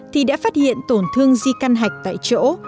thì đã phát hiện tổn thương di căn hạch tại chỗ